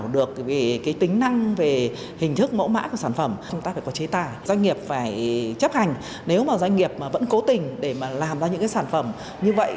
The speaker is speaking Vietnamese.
doanh nghiệp phải chấp hành nếu mà doanh nghiệp vẫn cố tình để làm ra những sản phẩm như vậy